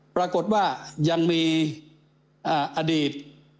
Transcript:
ปรากฏว่ายังมีอดีต